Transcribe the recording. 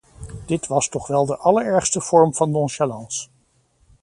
Dit was toch wel de allerergste vorm van nonchalance.